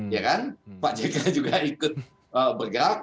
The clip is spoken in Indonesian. ya kan pak j k juga ikut bergerak